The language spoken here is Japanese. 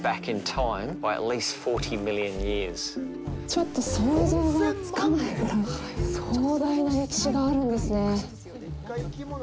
ちょっと想像がつかないくらい壮大な歴史があるんですね。